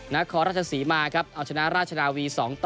นครราชศรีมาครับเอาชนะราชนาวี๒ต่อ